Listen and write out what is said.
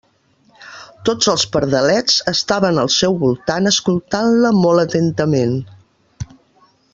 Tots els pardalets estaven al seu voltant escoltant-la molt atentament.